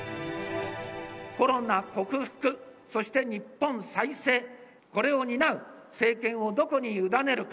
コロナ克服、そして日本再生、これを担う政権をどこに委ねるか。